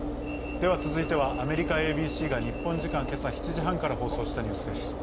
では続いてはアメリカＡＢＣが日本時間、今朝７時半から放送したニュースです。